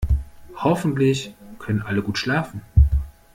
Hoffentlich können alle gut schlafen.